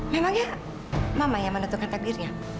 memangnya mama yang menentukan takdirnya